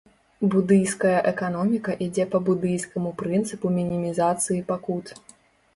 Будыйская эканоміка ідзе па будыйскаму прынцыпу мінімізацыі пакут.